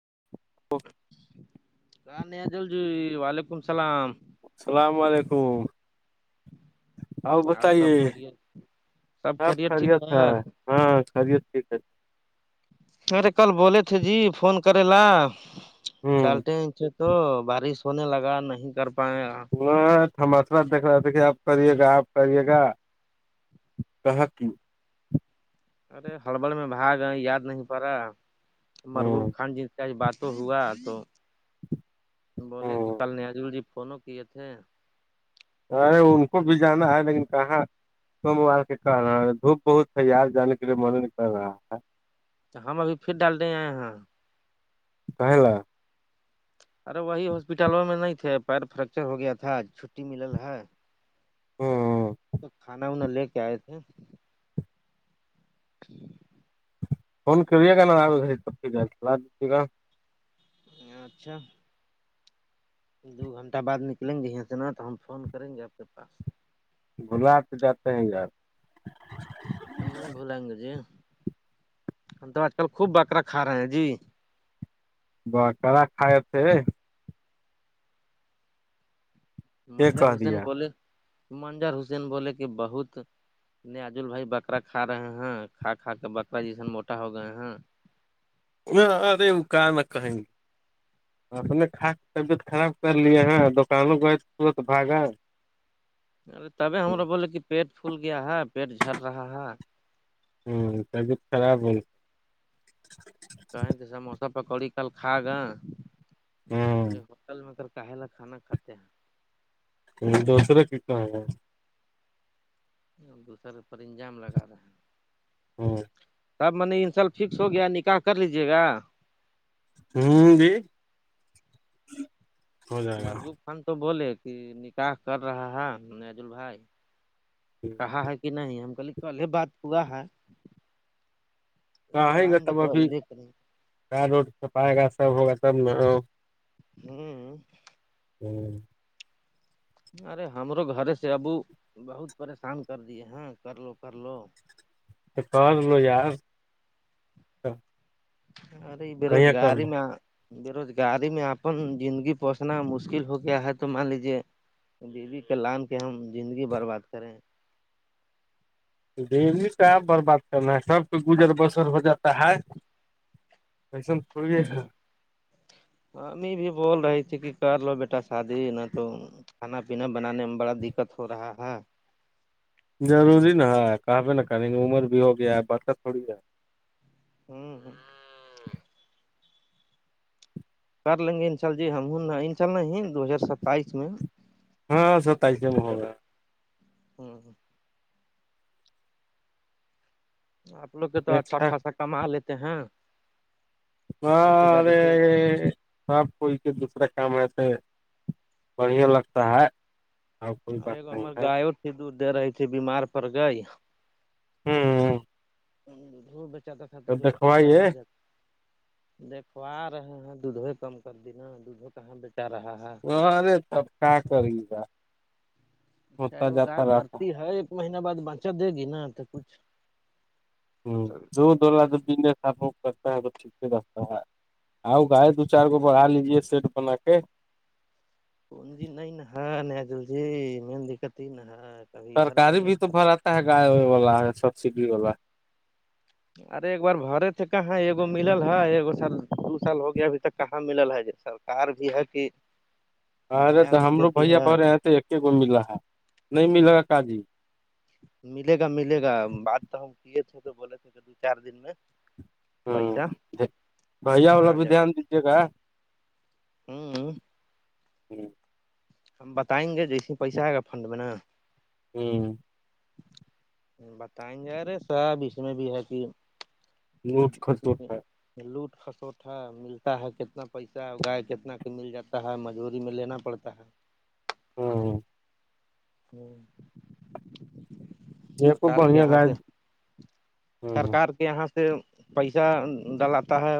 [unintelligible] جی وعلیکم السلام السلام علیکم آؤ سب بتائیے خیریت کیاب خیریت ہے ہاں خریت ٹھیک مرے کل بولے تھے جی فون کرے لا ہوں ڈالتے ہیں تو بارش ہونے لگا نہیں کر پائے گا ہ تھماسا دیکھ رہا دیکھے آپ کرے گا آپ کریے گا [unintelligible] ارے ہلبل میں بھاگئے یاد نہیں پ رہا مربوب ہوں خان جی کا بات تو ہوا تو بولے کہ ہوں کل نجول جی فون کیے تھے ارے ان کو بھی جانا ہے لیکن کہاں موبار کے کہ رہا ہے دھوپ بہت ہے یار جانے کے لیے من نہیں کر رہا ہے ہم ابھی پھر ڈال رہے ہیں آ یہاں [unintelligible] ارے وہی ہاسپٹلوں میں نہیں تھے پیر فریکچر ہو گیا تھا چھٹی ملل ہے ہاں تو کھانا وانا لے کے آئے تھے [inaudible] فون کریے گا نا آ چب چلا دیجے گا اچھا دو گھنٹہ بعد نکلیں گے یہ سےنا تو ہم فون کریں گے آپ کے پاس بھلاو تو جاتے ہیں یار نہیں بھولیں گے جی ہم تو آج کل خوب بکرا کھا رہے ہیں جی بکرا کھائے تھے یہ منظر کہ حسین دیا بولے منظر حسین بولے کہ بہت نہیں عجول بھائی بکرا کھا رہے ہیں کھا کھا کے بکرا جیسن موٹا ہو گئے ہیں ہاں ارے وہ کان میی کہیں گ اپنے خاص طبیعت خراب کر لیے ہیں دکانوں گئے تورت بھگا ارے تبے ہمارا بولے کہ پیٹ پھول گیا ہے پیٹ جل رہا ہے ہمم طبیعت خراب ہے کہیں کہ سموسا پکوڑی کل کھا گا ہوں بے ہوٹل میں کر کل خانا کتے ہیں دوسرا کی کہ ہے دوسر اوپر انجام لگا رہے ہیں ہاں سب منی ان شاء ال فکس ہو گیا نکاح کر لیجیے گا ہوں جی ہو جائے گا مربوب خان تو بولے کہ نکاح کر رہا ہے نجول بھائی کہا ہے کہ نہیں ہم کلے کلے بات پا ہے بولائیں گے تو دیک کر نہیں کیا روڈ چپائے گا سب ہوگا تب ن ہوں ہوں ارے ہمارو گھر سے ابو بہت پریشان کر دیے ہیں کر لو کر لو تو کر لو ار ارے کہیں کر بےروزگاری لو میں بے روزگاری میں اپن زندگی پہسنا مشکل ہو گیا ہے تو مان لیجے بیوی کا لان کے ہم زندگی برباد کریں دلی تو ہےپ برباد کرنا ہے سب کو گزر بسر ہو جاتا ہے کیسل ہوں امی بھی بول رہی ت کہ کر لو بیٹا شادی نہ تو کھانا پینا بنانے میں بڑا دقت ہو رہا ہے ضروری نا ہے کہب ن کہیں عمر بھی ہوگیا ہے بات تھوڑی ہے ہوں ہ [inaudible] کر لیں گے انشاء ال جی ہم ہ انشاءلہ دو ہزار ستائیس میں ہاں ستائیس م ہوگ گ ہے ہ آپ لوگ کے تو اچھا دیکھتا خاصا کما لیتے ہیں کھیتی ہار باڑی سے سب کوئی کے دوسرے کام میں سے بڑھیا لگتا ہے اور کوئی بات اوررےگو نہیں ہمار ہے گاائےوں سے دور دے رہی تھ بیمار پر گئے ہوں ر بچاتا خطر تو کچھ پیسہ دکھوائیے ہو جات دیکوا رہے ہیں دودھو کم کر دینا دودھو کہاں بیٹا رہا ہے ہاں ارے تب کا کری گا چے ہوتا وہ گائے جاتا رہتا بھرتی ہ ہے ایک مہینہ بعد بچت دے گی نا تو کچھ ہوں جو ڈلا جوزس آپ کرتا ہے تو ٹھیک سے رتا ہے آؤ گائے دو چار کو بڑھا لیجے سیٹ بنا کے کون جی نہیں ن ن جل جی مل دقت ہی نہا سرکاری بھی تو بھر آتا ہے گائے و والا سبسڈی والا ارے ایک بار بھرے تھے کہاں ایکگو مل ہے ایکگ سال دو سال ہو گیا ابھی تک کہاں مل ہے ج سال سر کار بھی ہے کہ ہاں ارے تو ہمرو بھیا بہ رہے ہیں تو ایکی گو مل رہا ہےا نہیں ملے گا کاجی ملے گا ملے گا بات تو ہم کیے تھے تو بولے تھے کہ دو چار دن میں ہوں پیسہ بھیا والا آ بھی دھیان دیجیے گا ہاں ہ ہم بتائیں گے جیسے پیسہ آئے گا فنڈ میں نا ہوں بتائیں گے رہے ساحب اس میں بھی ہے کہ نوٹ [unintelligible] [inaudible] ج کھٹوٹ ہے ج لوٹ خسوٹ ہے ملتا ہے کتنا پیسہ گائے کتنا کے مل جاتا ہے مجبوری میں لینا پڑتا ہے ہ [unintelligible] [inaudible] ہو [unintelligible] یہ کو سرکار کے بڑھیا یہاں گائے سے ہوں سرکار کے یہاں سے پیسہ ڈلاتا ہے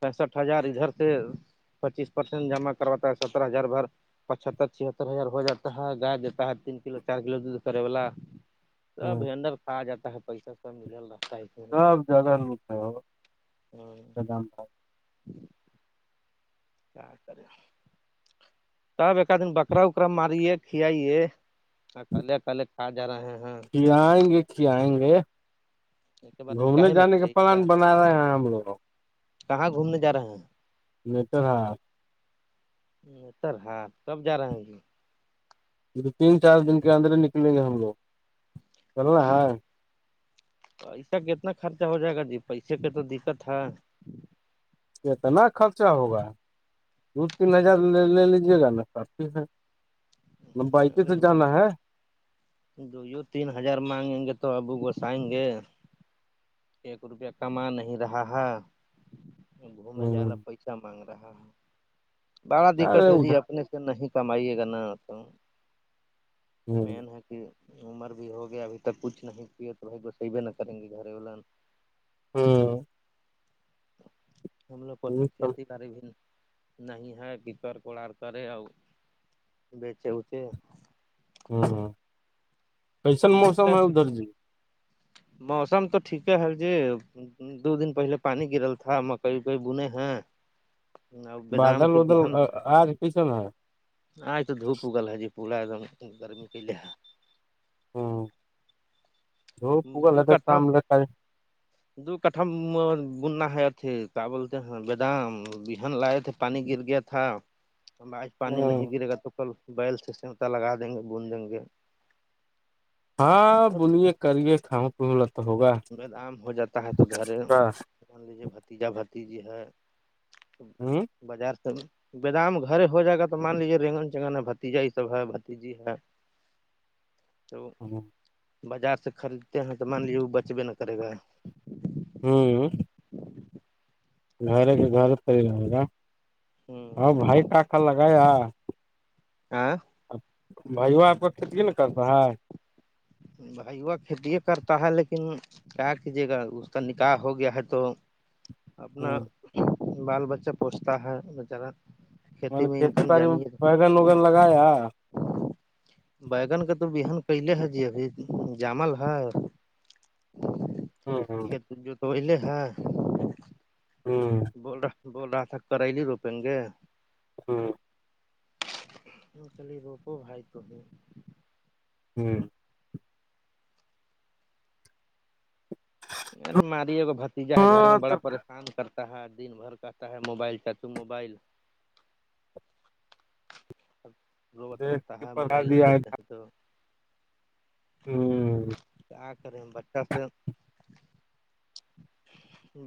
پینسٹھ ہزار ادھر سے پچیس پرسینٹ جمع کرواتا ہے سترہ ہزار بھر پچہتر چھتر ہزار ہو جاتا ہے گ دیتا ہے تین کلو چار کلو دودھ کرے والا ہوں سبینڈر آ جاتا ہے پیسا سا مل رہا سب جگہ نٹ ہے ہو ب جی کیا کر سب ایکادن بکرا وکرا ماریے کئیے اکلے اکلے کہاں جا رہے ہیں ک آئیں گے ک آئیں گے اس کے بعد گھومنے نکاح میں جانے کا کھیائی پلان کیا بنا رہے ہیں ہم لوگوں کہاں گھومنے جا رہے ہیں نہیں تور ہاں تر ہاں کب جا رہے ہیں گی تین چار دن کے اندر ہی نکلیں گے ہم لوگ چلو نا ہے پیسہ کتنا خرچہ ہو جائے گا جی پیسے کے تو دقت ہے اتنا خرچہ ہوگا دو تین ہزار لے لے لیجیے گا نا سفی ہے ن بائک سے جانا ہے جو یوں تین ہزار مانگیں گے تو ابو گسائیں گے ایک روپیہ کما نہیں رہا ہے گھومنے جا ہ لا پیسہ مانگ رہا ہے بڑا دقت ارے ہے جی ادھر اپنے نہیں کمائیے کرنا ہ مین ہے کہ عمر بھی ہوگیا ابھی تک کچھ نہیں پ تو بھائی گسے بھی نہ کریں گے گھر والا ہاں ہم لوگ کو اتنا کھیتی کرڑی بھی نہیں نہیں ہے پکر کوڑار کرے اور بیچے اچے ہاں ہاں [unintelligible] دیکھتے جی موسم تو ٹھیک ہے ہےال جی دو دن پہلے پانی گرل تھا مکئی اکئی بنے ہیں بیدام بادل کے بہن ودل آج کیسن ہے آج تو دھپ اگل ہے جی پورا ایکم گرمی پلے ہاں ہ دو کھا [unintelligible] شام لے دو کٹم بننا ہے اتھی کیا بولتے ہیں بیدامہن لائے تھ پانی گر گیا تھا ہمب آج پانی ہ نہیں گرے گا تو کل بیل سے سمتا لگا دیں گے بند دیں گے ہاں اب بلیے کریے کاؤں پیوں ل تو ہوگا ان لیجیے بھتیجا بھتیجی ہے ہوں بازار سے بدام گھرے ہو جائے گا تو مان لیجیے رگن چگن ہے بھتیجا یہ سب ہے بتیجی ہے تو بازار سے خریدتے ہیں تو مان لے وہ بچبے نہ کرے گا ہوں گھر کے گھر پ ہی رہے گا ہ بھائی کا کا لگاائے آ بھائیو آپ کا کھیتی ن کرتا ہے بھائی وہ کھیتی کرتا ہے لیکن کیا کیجیے گا اس کا نکاح ہو گیا ہے تو اپنا ہ بال بچہ پوچتا ہے بچارہ میں نے کھیتی باڑی میں بگن وگن لگایا بگن کا تو بہن کیلے ہے جی ابھی جامل ہے ہ ہاں ہاں س جو تو الے ہے ہوں بول رہا بول رہا تھا کرائیلی روپیں گے ہاں وہ چلے کو بائی تو ہوں ارے ماریے گ بھتیجا ہے گھر ہاں میں بڑا پریش کام کرتا ہے دن بھر کا آتا ہے موبائل چاچو موبائل سب روبت رہتا ہے توا موبائل نہیں دیا دیتے ہیں تو کیا کریں بچہ سے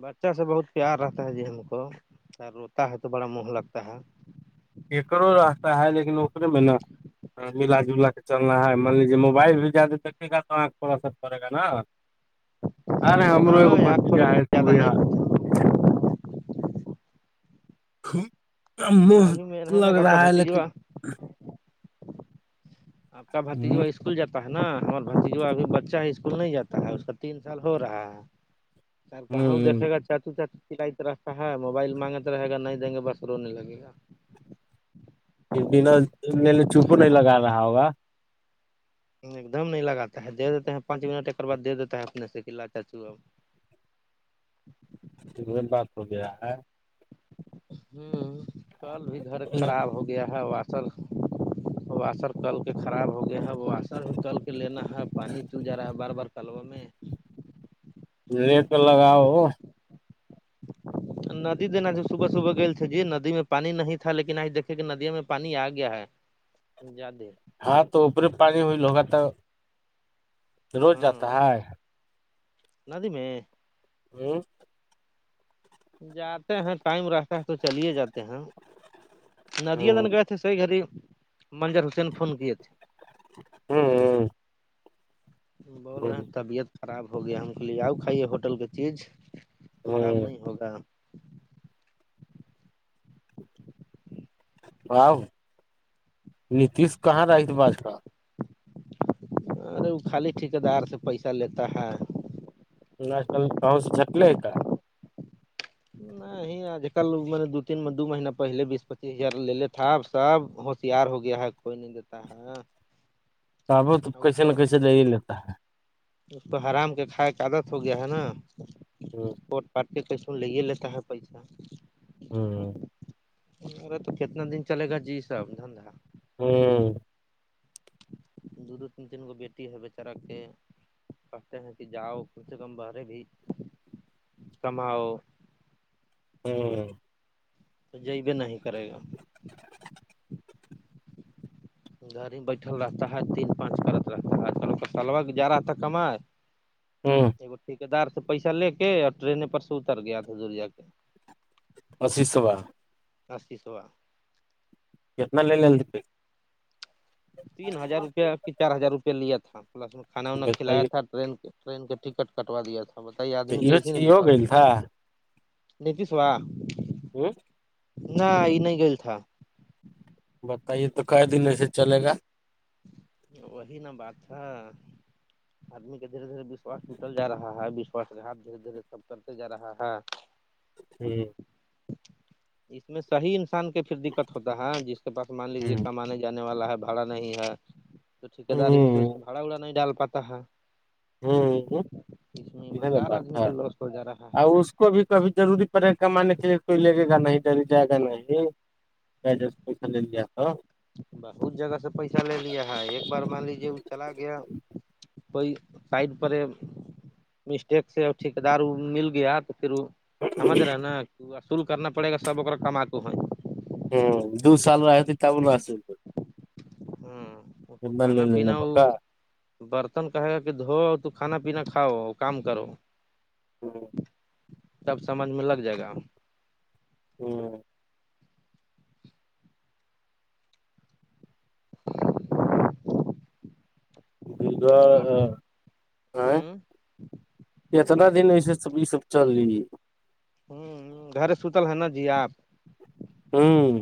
بچہ سے بہت پیار رہتا ہے جی ہم کو س روتا ہے تو بڑا مہ لگتا ہے ارو راستہ ہے لیکن اکے میں نا ملا جلا کے چلنا ہے مان لیجیے موبائل بھی زیادہیکے گا تو تھ اسر پڑے گا نا ارے ہمرو ایک ہاں آگ پر بھتیجا ہے زیادہ تھار نہیں مہ ابھی مین ہے نا لگ آپ کا رہا ہے لیکن بھتیجوا آپ کا بھتی جو ہ ہے اس اسکول جاتا ہے نا ہمار بھتی جو ابھی بچہ ہے اسکول نہیں جاتا ہے اس کا تین سال ہو رہا ہے تار کہاں کو ہ دیکے گا چچو چ ط رتا ہے موبائل مانگ رہےا نہیں دیں گے بس رونے لگے گا بنا م نے چوپو نہیں لگا رہا ہوگا ایک دم نہیں لگاتا ہے دے دیتے ہیں پانچ منٹ ایکر بار دے دیتا ہے اپنے سے کہا چاچو بات ہو گیا ہے ہوں کل بھی گھر خراب ہو گیا ہے واسر واشر کل کے خراب ہو گیا ہے واشر بھی کل کے لینا ہے پانی چل جا رہا ہے بار بار کلوا میں لیٹ لگاؤ ہو ہ ندی دینا تھا صبح صبح گئے تھے جی ندی میں پانی نہیں تھا لیکن آج دیکے کہ ندی میں پانی آ گیا ہے زدے ہاں تو اوپری پانی ہوئی لوگا تو روز جاتا ہاں ہے ندی میں ہوں جاتے ہیں ٹائم رہتا ہے تو چلے جاتے ہیں ندی ہ دن گئے سی گھڑی مجر ہسین فون کی تھے ہوں ہ بول رہے ہیں طبیعت خراب ہو گیا ہم کے لیے آؤ کھائیے ہوٹل کی چیز خراب ہ نہیں ہوگا بؤ نیتیش کہاں رہی تھ باز کا ارے وہ خالی ٹھیک دار سے پیسہ لیتا ہے ا کل کہوں سے جٹلے کا نہ نہیں آج کل میں نے دو تین میں دو مہینہ پہلے بیس پچیس ہزار لے لے تھا اب سب ہوشیار ہو گیا ہے کوئی نہیں دیتا ہے آبو تو کیسے نہ کیسے لے ہی لیتا ہے تو حرام کے کھائے کا آادت ہو گیا ہے نا ہ پارٹی پیسن لیگیلے تھا پیسہ ہوں ارا تو کتنا دن چلے گا جی ساب دھندا اور دو دو تین تین گو بیٹی ہے بیچارا کے کہتے ہیں کہ جاؤ کم سے کم برے بھی کماؤ ہوں تو جی بھی نہیں کرے گا گھر ہی بیٹھل رہتا ہے تین پانچ کرت رہتا ہےج کل کا طلبا جا رہا تھا کمائے [inaudible] ہوں وہ ٹھے دار سے پیسہ لے کے اور ٹرین پر سے اتر گیا تھا زوریا کے اشی سوبا است سوا جت ملےلدے تین ہزار روپیہ چار ہزار روپیہ لیا تھا پلس میں کھانا وا کھلایا بتائیے تھا ٹرین کے ٹرین کا ٹکٹ کٹوا دیا تھا بتائیے آدمی یہ کیسیے یہ نس ہو گئی تھا نیتیش وا ہ نہ یہ نہیں گل تھا بتائیے تو ک دن ایسے چلے گا وہی نا بات تھا آدمی کا دھیرے دھیرے وشواس ٹوٹل جا رہا ہے وشواس کے ہاتھ دھیرے دھیرے سب کرتے جا رہا ہے ہوں اس میں صحی انسان کے پھر دقت ہوتا ہے جس کے پاس مان ہ لیجے کمانے جانے والا ہے ب بھاڑا نہیں ہے تو ٹھیکے دار ہی ہ سوچتے بھاڑا وڑا نہیں ڈال پاتا ہے ہوں ہ ہ اس میں اا تو ایماندار بات آدمی ہ کا لوس ہو جا رہا آ ہے کو بھی کبھی روری پڑے کمانے کے لیے کوئی لگے گا نہیں ری جائے گا نہیں پ ج پس لیا تھا بہت جگہ سے پیسہ لے لیا ہے ایک بار مان لیجیے وہ چلا گیا کوئی سائڈ پر مسٹیک سے ٹھیکے دار مل گیا تو پھر وہ سمجھ رہے ہیں نا اصول کرنا پڑے گا سب ا کمااک ہو ہ دو سال رہتے ت بول آل تو ہاں لے کھانا لینے پینا ہو بکا برتن کہے گا کہ دھوؤ تو کھانا پینا کھاؤ کام کرو ہوں سب سمجھ میں لگ جائے گا ہوں [unintelligible] [inaudible] گزا آپ آ ہ [unintelligible] اتنا دن ایسے سب یہ سب چل رہی ہے ہ گھر سوتل ہے نا جی آپ ہوں